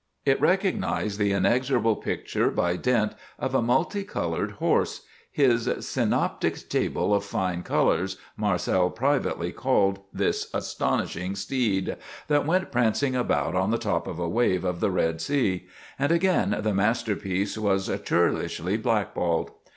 It recognized the inexorable picture by dint of a multi colored horse—his "synoptic table of fine colors," Marcel privately called this astonishing steed—that went prancing about on the top of a wave of the Red Sea; and again the masterpiece was churlishly blackballed.